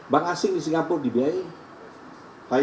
bank asing di singapura dibi